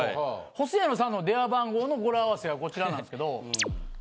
ほそやのサンドの電話番号の語呂合わせがこちらなんですけど。